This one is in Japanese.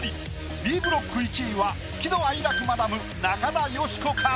Ｂブロック１位は喜怒哀楽マダム中田喜子か？